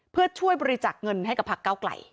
เพื่อช่วยบริจาคเงินให้กับพักเก้าไกล